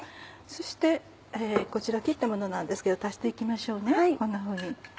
そしてこちら切ったものなんですけど足して行きましょうねこんなふうに。